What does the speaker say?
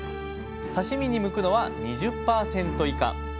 刺身に向くのは２０％以下。